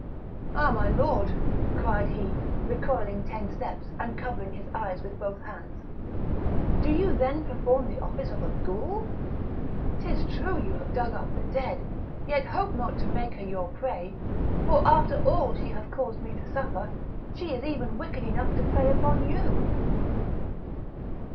"Ah, my lord!" cried he, recoiling ten steps, and covering his eyes with both hands: "do you then perform the office of a Goul? 'tis true you have dug up the dead, yet hope not to make her your prey; for after all she hath caused me to suffer, she is even wicked enough to prey upon you."